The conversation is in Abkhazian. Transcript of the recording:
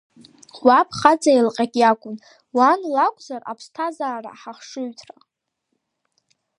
Уаб хаҵа еилҟьак иакәын, уан лакәзар, аԥсҭазаара ҳахшыҩҭра…